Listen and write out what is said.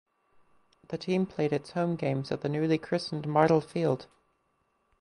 The team played its home games at the newly christened Martell Field.